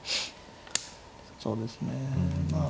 そうですねまあ